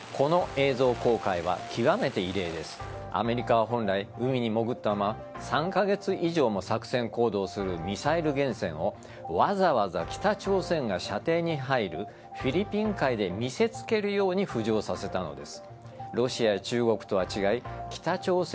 アメリカは本来海に潜ったまま３カ月以上も作戦行動するミサイル原潜をわざわざ北朝鮮が射程に入るフィリピン海で見せ付けるように浮上させたのです。